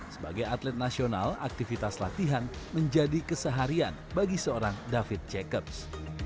sebagai atlet nasional aktivitas latihan menjadi keseharian bagi seorang david jacobs